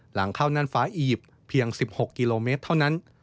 หลังเข้าน่านฟ้าอียิปต์เพียง๑๖กิโลเมตรเท่านั้น